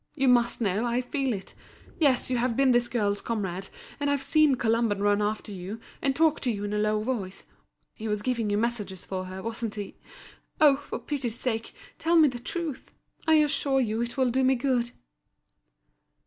You must know, I feel it. Yes, you have been this girl's comrade, and I've seen Colomban run after you, and talk to you in a low voice. He was giving you messages for her, wasn't he? Oh! for pity's sake, tell me the truth; I assure you it will do me good."